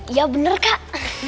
iya bener kak